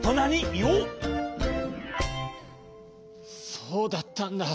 そうだったんだ。